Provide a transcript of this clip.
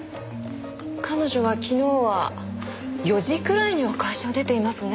彼女は昨日は４時くらいには会社を出ていますね。